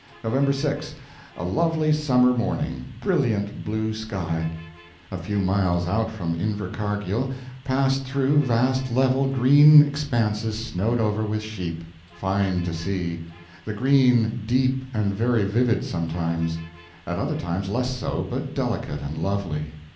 November 6. A lovely summer morning; brilliant blue sky. A few miles out from Invercargill, passed through vast level green expanses snowed over with sheep. Fine to see. The green, deep and very vivid sometimes; at other times less so, but delicate and lovely.